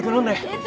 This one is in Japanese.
えっ？